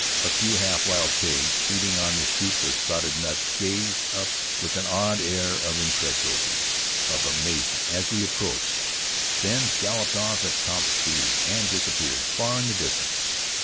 A few half wild pigs, feeding on the shoots of sprouted nuts, gazed up with an odd air of incredulity, of amazement as we approached, then galloped off at top speed and disappeared far in the distance.